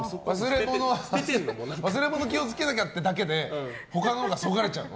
忘れ物気をつけなきゃってだけで他のがそがれちゃうの？